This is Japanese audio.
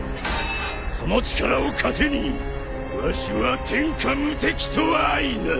その力を糧にわしは天下無敵とあいなる。